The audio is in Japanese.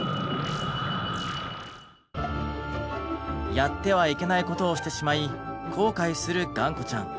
やってはいけないことをしてしまい後悔するがんこちゃん。